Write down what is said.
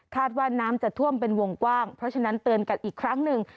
ว่าน้ำจะท่วมเป็นวงกว้างเพราะฉะนั้นเตือนกันอีกครั้งหนึ่ง